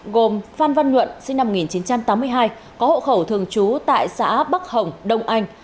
gồm phan văn nhuận sinh năm một nghìn chín trăm tám mươi hai có hộ khẩu thường trú tại xã bắc hồng đông anh